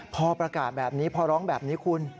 พอประกาศแบบนี้พอร้องแบบนี้คุณ